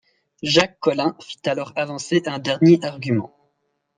Jacques Collin fit alors avancer un dernier argument.